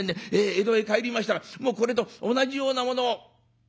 江戸へ帰りましたらもうこれと同じようなものを。